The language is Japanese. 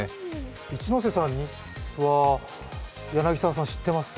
一ノ瀬さんは柳沢さん知ってます？